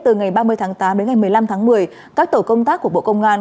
từ ngày ba mươi tháng tám đến ngày một mươi năm tháng một mươi các tổ công tác của bộ công an